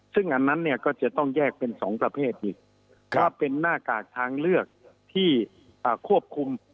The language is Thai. ซึ่งอันนั้นเนี่ยก็จะต้องแยกเป็น๒ประเภทอีกว่าเป็นหน้ากากทางเลือกที่ควบคุม